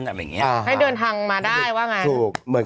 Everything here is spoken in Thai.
ให้เดินทางมาได้ว่าไง